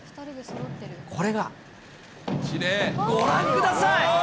これが、ご覧ください！